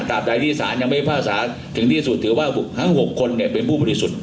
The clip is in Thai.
ตัดใดที่สารยังไม่ได้ภาษาถึงที่สุดถือว่า๖คนเป็นผู้มีรสุทธิ์